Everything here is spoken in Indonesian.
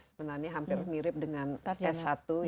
sebenarnya hampir mirip dengan s satu